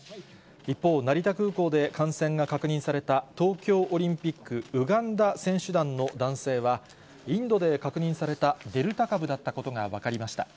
一方、成田空港で感染が確認された、東京オリンピック、ウガンダ選手団の男性は、インドで確認されたデルタ株だったことが分かりました。